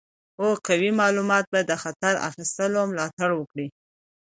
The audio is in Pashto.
او قوي معلومات به د خطر اخیستلو ملاتړ وکړي.